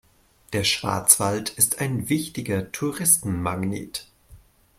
Der Schwarzwald ist ein wichtiger Touristenmagnet.